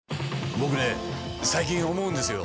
僕ね最近思うんですよ。